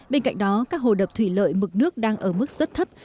bên cạnh đó các hồ đập thủy lợi mực nước đang ở mức rất thấp